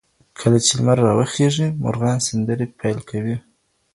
کله چي لمر راوخېژي، مرغان سندرې پیل کوي.